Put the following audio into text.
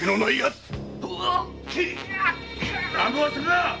乱暴するな！